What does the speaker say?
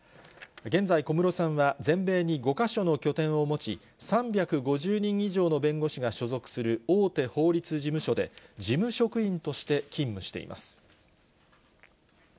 現在、小室さんは全米に５か所の拠点を持ち、３５０人以上の弁護士が所属する大手法律事務所で、事務職員として勤務しています。